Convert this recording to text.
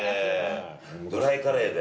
ドライカレーで。